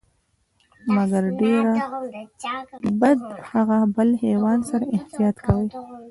مګر ډیر به د هغه بل حیوان سره احتياط کوئ،